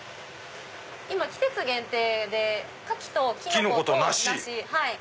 今季節限定で牡蠣とキノコと梨。